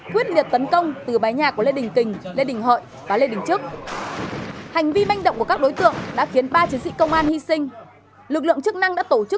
quyết liệt tấn công từ phía phía trước